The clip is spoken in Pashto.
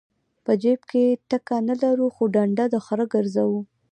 په جیب کې ټکه نه لرو خو ډنډه د خره ګرځو.